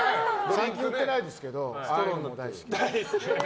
最近売ってないですけどそういうのも大好き。